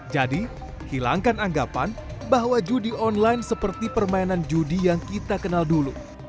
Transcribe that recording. jadi hilangkan anggapan bahwa judi online seperti permainan judi yang kita kenal dulu